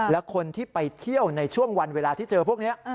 และคนที่ไปเที่ยวในช่วงวันเวลาที่เจอพวกนี้